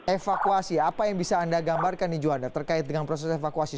evakuasi apa yang bisa anda gambarkan nih juanda terkait dengan proses evakuasi